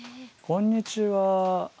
こんにちは！